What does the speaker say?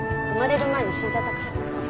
生まれる前に死んじゃったから。